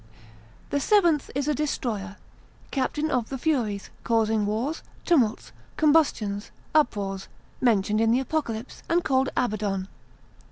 The seventh is a destroyer, captain of the furies, causing wars, tumults, combustions, uproars, mentioned in the Apocalypse; and called Abaddon.